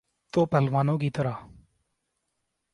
تو پہلوانوں کی طرح۔